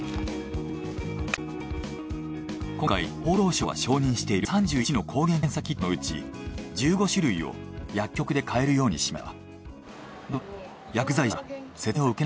今回厚労省は承認している３１の抗原検査キットのうち１５種類を薬局で買えるようにしました。